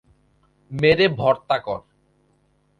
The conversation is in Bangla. মেরে ভর্তা কর।